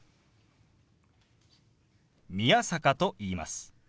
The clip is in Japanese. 宮坂と言います。